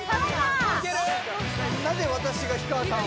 なぜ私が氷川さんを？